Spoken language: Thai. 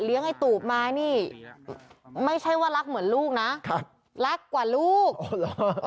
เลี้ยงไอ้ตูบมานี่ไม่ใช่ว่ารักเหมือนลูกน่ะครับรักกว่าลูกโอ้